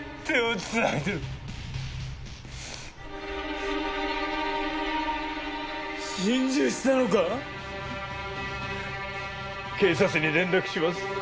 警察に連絡します。